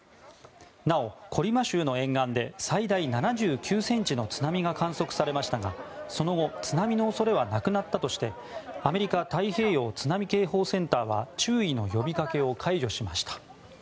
なお、コリマ州の沿岸で最大７９ｃｍの津波が観測されましたがその後、津波の恐れはなくなったとしてアメリカ太平洋津波警報センターは注意の呼びかけを解除しました。